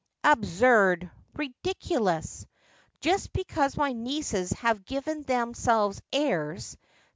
'Absurd, ridiculous! Just because my nieces have given themselves airs.